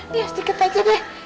ya ya ya sedikit aja deh